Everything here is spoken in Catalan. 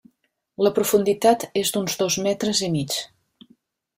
La profunditat és d'uns dos metres i mig.